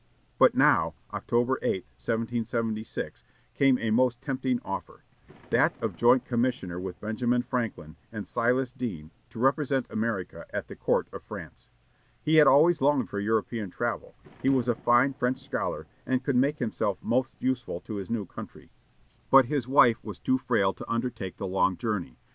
But now, October 8, 1776, came a most tempting offer; that of joint commissioner with Benjamin Franklin and Silas Deane to represent America at the court of France. He had always longed for European travel; he was a fine French scholar, and could make himself most useful to his new country, but his wife was too frail to undertake the long journey.